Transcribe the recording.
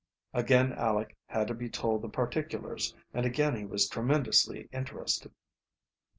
Again Aleck had to be told the particulars and again he was tremendously interested.